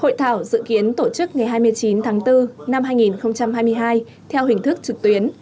hội thảo dự kiến tổ chức ngày hai mươi chín tháng bốn năm hai nghìn hai mươi hai theo hình thức trực tuyến